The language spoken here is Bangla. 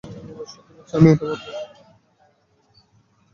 সত্যি বলছি আমি এটা বদলাইনি।